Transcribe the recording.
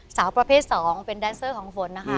สาวประเภท๒เป็นแดนเซอร์ของฝนนะคะ